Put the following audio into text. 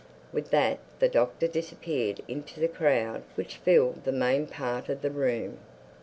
With that the Doctor disappeared into the crowd which filled the main part of the room.